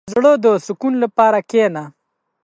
• د زړۀ د سکون لپاره کښېنه.